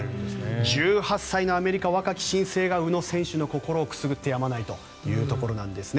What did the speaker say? １８歳のアメリカの若き新星が宇野選手の心をくすぐってやまないというところなんですね。